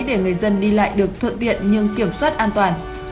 để người dân đi lại được thuận tiện nhưng kiểm soát an toàn